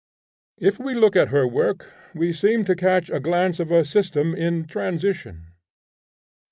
If we look at her work, we seem to catch a glance of a system in transition.